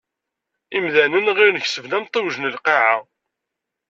Imdanen ɣillen kesben amtiweg n Lqaεa.